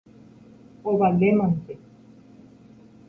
ovalémante.